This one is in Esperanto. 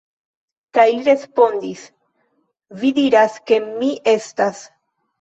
Kaj li respondis: Vi diras, ke mi estas.